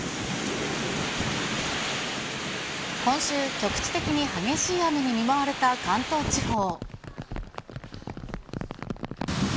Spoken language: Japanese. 今週、局地的に激しい雨に見舞われた関東地方。